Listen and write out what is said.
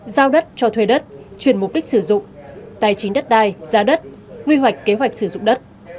giao đất cho thuê đất chuyển mục đích sử dụng tài chính đất đai giá đất quy hoạch kế hoạch sử dụng đất